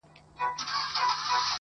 • امریکا ته راوستل سوي وه -